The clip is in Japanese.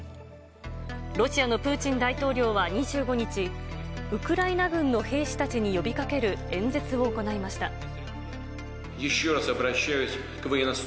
ロシアのプーチン大統領は２５日、ウクライナ軍の兵士たちに呼びかける演説を行いました。